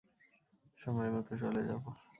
সময়মত চলে যাব।